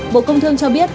bộ công thương cho biết